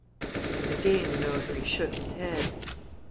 And again the notary shook his head.